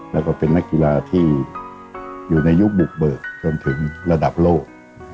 แล้วก็เป็นนักกีฬาที่อยู่ในยุคบุกเบิกจนถึงระดับโลก